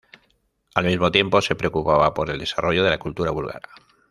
Al mismo tiempo se preocupaba por el desarrollo de la cultura búlgara.